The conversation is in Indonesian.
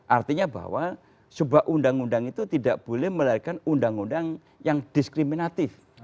artinya bahwa sebuah undang undang itu tidak boleh melahirkan undang undang yang diskriminatif